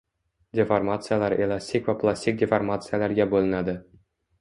Deformatsiyalar elastik va plastik deformatsiyalarga bo‘linadi.